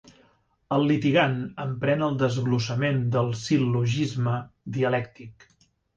El litigant emprèn el desglossament del sil·logisme dialèctic.